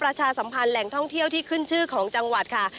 ประชาสัมพันธ์แหล่งท่องเที่ยวที่ขึ้นชื่อของจังหวัดค่ะ